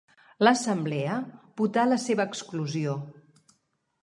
L'assemblea votà la seva exclusió.